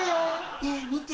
ねぇ見て。